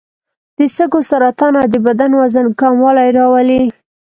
د سږو سرطان او د بدن وزن کموالی راولي.